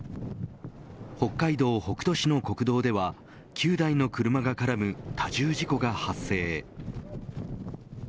北海道北斗市の国道では９台の車が絡む多重事故が発生。